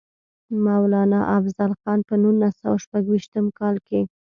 مولانا افضل خان پۀ نولس سوه شپږيشتم کال کښې